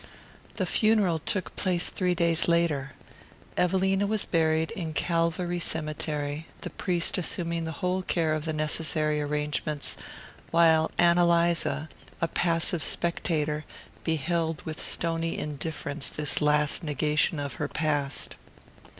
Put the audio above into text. The funeral took place three days later. Evelina was buried in Calvary Cemetery, the priest assuming the whole care of the necessary arrangements, while Ann Eliza, a passive spectator, beheld with stony indifference this last negation of her past.